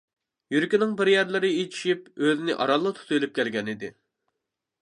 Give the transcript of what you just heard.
يۈرىكىنىڭ بىر يەرلىرى ئېچىشىپ، ئۆزىنى ئارانلا تۇتۇۋېلىپ كەلگەن ئىدى.